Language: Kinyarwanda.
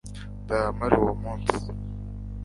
nzaba mpari uwo munsi